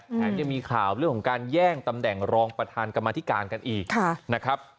แถมยังมีข่าวเรื่องของการแย่งตำแหน่งรองประธานกรรมธิการกันอีกนะครับ